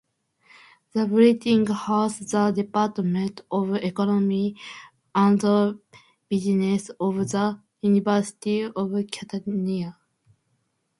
The building houses the Department of Economy and Business of the University of Catania.